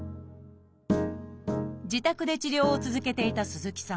自宅で治療を続けていた鈴木さん。